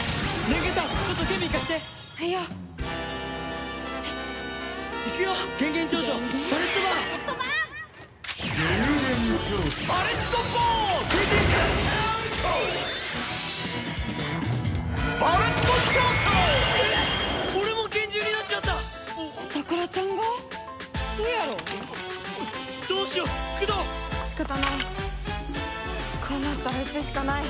こうなったら撃つしかない。